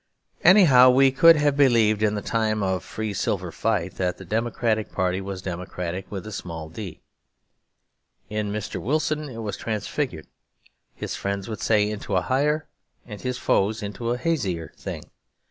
Anyhow, we could have believed, in the time of the Free Silver fight, that the Democratic party was democratic with a small d. In Mr. Wilson it was transfigured, his friends would say into a higher and his foes into a hazier thing.